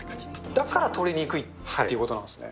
だからとりにくいということなんですね。